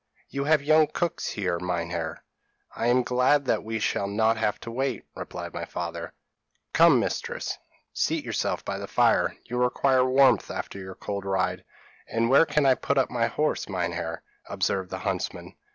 'You have young cooks here, Meinheer.' 'I am glad that we shall not have to wait,' replied my father. 'Come, mistress, seat yourself by the fire; you require warmth after your cold ride.' 'And where can I put up my horse, Meinheer?' observed the huntsman.